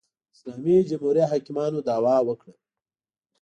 اسلامي جمهوري حاکمانو دعوا وکړه